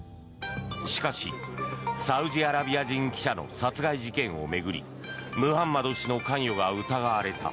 しかし、サウジアラビア人記者の殺害事件を巡りムハンマド氏の関与が疑われた。